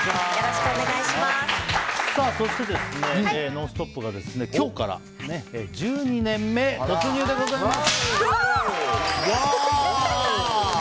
そして、「ノンストップ！」が今日から１２年目突入でございます！